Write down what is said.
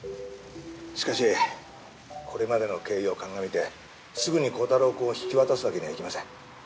しかしこれまでの経緯を鑑みてすぐにコタローくんを引き渡すわけにはいきません。